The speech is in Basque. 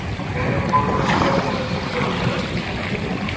Ene posta helbidea bi aldiz eskatu didate.